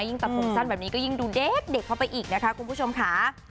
ตัดผมสั้นแบบนี้ก็ยิ่งดูเด็กเข้าไปอีกนะคะคุณผู้ชมค่ะ